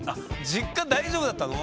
実家大丈夫だったの？